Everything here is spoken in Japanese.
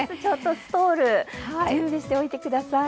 ストールを準備しておいてください。